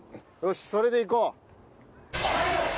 よしそれでいこう！